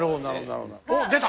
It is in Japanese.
おっ出た！